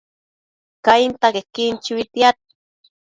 Cainta quequin chuitiad